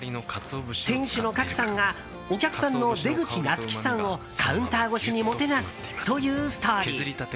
店主の賀来さんがお客さんの出口夏希さんをカウンター越しにもてなすというストーリー。